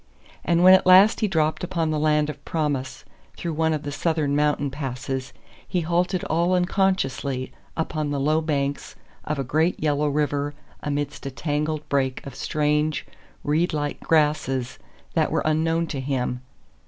And when at last he dropped upon the land of promise through one of the Southern mountain passes he halted all unconsciously upon the low banks of a great yellow river amidst a tangled brake of strange, reed like grasses that were unknown to him.